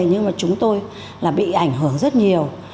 nhưng mà chúng tôi là bị ảnh hưởng rất nhiều